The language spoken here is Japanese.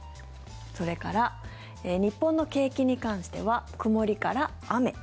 それから、日本の景気に関しては曇りから雨。